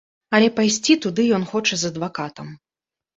Але пайсці туды ён хоча з адвакатам.